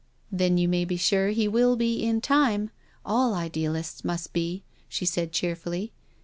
" Then you may be sure he will be in time— all idealists must be," she said cheerfully.